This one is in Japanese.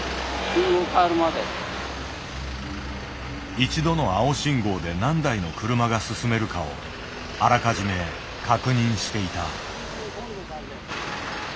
一度の青信号で何台の車が進めるかをあらかじめ確認していた。